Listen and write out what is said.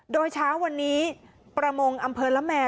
โดยเช้าวันนี้ประมงอำเภอละแมร์